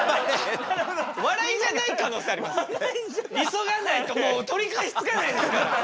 急がないともう取り返しつかないですから。